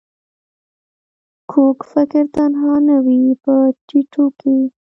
کوږ فکر تنها نه وي په ټيټو کې